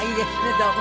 どうも。